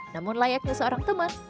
namun layaknya seorang teman